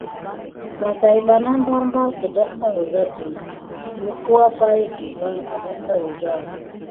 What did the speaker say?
Vo täbana ɓarbar ke ɗeɗa wuza dit nekua pay ɗe van à ɗaɗa wuza.